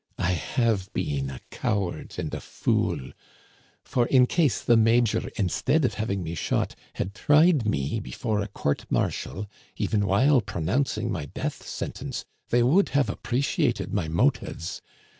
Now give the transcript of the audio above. I have been a coward and a fool, for in case the major, instead of having me shot, had tried me before a court martial, even while pronouncing my death sentence they would have appreciated my motives.